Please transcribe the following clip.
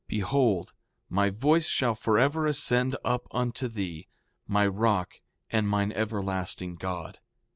Behold, my voice shall forever ascend up unto thee, my rock and mine everlasting God.